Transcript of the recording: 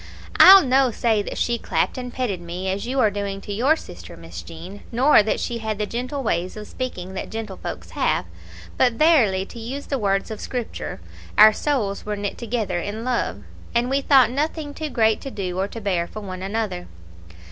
I'll no say that she clapped and petted me as you are doing to your sister, Miss Jean, nor that she had the gentle ways of speaking that gentlefolks have; but verily to use the words of Scripture, 'our souls were knit together in love,' and we thought nothing too great to do or to bear for one another.